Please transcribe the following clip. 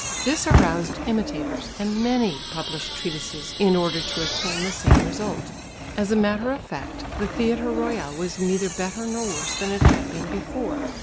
This aroused imitators, and many published treatises in order to attain the same result. As a matter of fact, the Theatre Royal was neither better nor worse than it had been before.